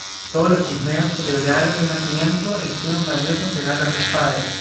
Todos los pigmeos celebraron el nacimiento e hicieron valiosos regalos a los padres.